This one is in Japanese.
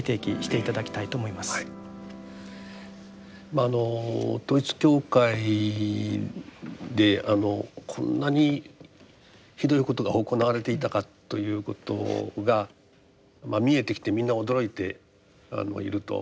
まああの統一教会であのこんなにひどいことが行われていたかということが見えてきてみんな驚いていると。